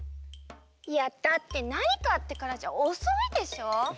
いやだってなにかあってからじゃおそいでしょ！